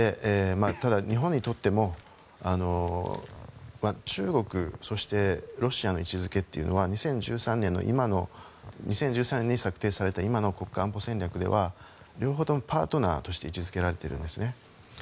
ただ、日本にとっても中国そしてロシアの位置づけというのは２０１３年に策定された今の国家安保戦略では両方ともパートナーとして位置づけられているんですね。